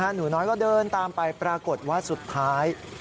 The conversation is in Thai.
หนูน้อยก็เดินตามไปปรากฏว่าสุดท้าย